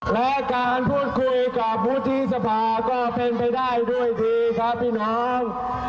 และการพูดคุยกับวุฒิสภาก็เป็นไปได้ด้วยดีครับพี่น้อง